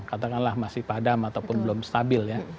katakanlah masih padam ataupun belum stabil ya